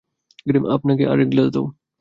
আমাকে আর এক গ্লাস দাও।